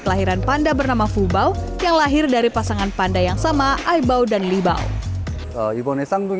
kelahiran panda bernama fubao yang lahir dari pasangan panda yang sama aibau dan libao